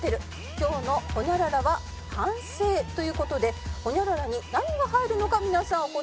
「今日のホニャララは反省」という事でホニャララに何が入るのか皆さんお答えください。